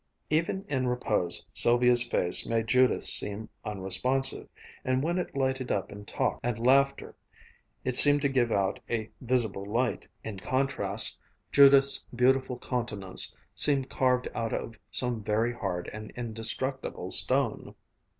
Even in repose, Sylvia's face made Judith's seem unresponsive, and when it lighted up in talk and laughter, it seemed to give out a visible light. In contrast Judith's beautiful countenance seemed carved out of some very hard and indestructible stone.